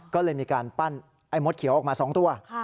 ก็เลยมีการปั้นไอ้มดเขียวออกมา๒ตัว